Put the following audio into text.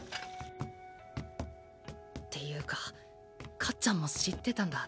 っていうかかっちゃんも知ってたんだ。